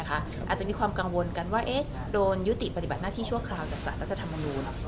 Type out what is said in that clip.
อาจจะมีความกังวลกันว่าโดนยุติปฏิบัติหน้าที่ชั่วคราวจากสารรัฐธรรมนูล